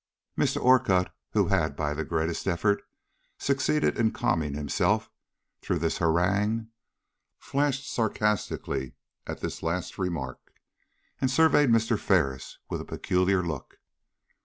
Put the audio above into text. Mr. Orcutt, who had by the greatest effort succeeded in calming himself through this harangue, flashed sarcastically at this last remark, and surveyed Mr. Ferris with a peculiar look.